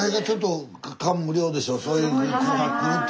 そういう子が来るっていうのは。